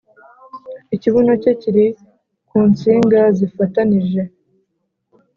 ikibuno cye kiri ku nsinga zifatanije